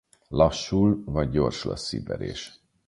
Lassul vagy gyorsul a szívverés.